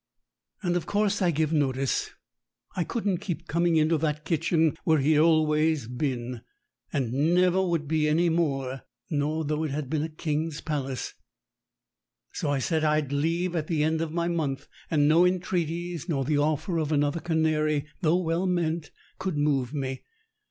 And of course I give notice. I couldn't keep coming into that kitchen where he'd always been, and never would be any more, not though it had been a king's palace. So I said as I'd leave at the end of my month, and no entreaties, nor the offer of another canary, though well meant, could move me.